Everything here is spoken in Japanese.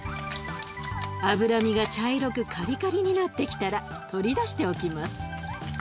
脂身が茶色くカリカリになってきたら取り出しておきます。